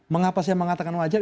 mengapa saya mengatakan wajar